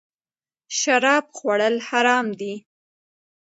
شراب خوړل حرام دی